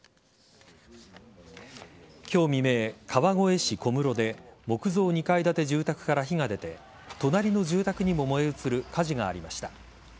今日未明、川越市小室で木造２階建て住宅から火が出て隣の住宅にも燃え移る火事がありました。